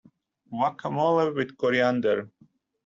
Guacamole with coriander.